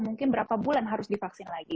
mungkin berapa bulan harus divaksin lagi